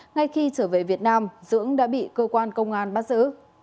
ngay khi trở về việt nam dưỡng đã bị cơ quan công an bắt giữ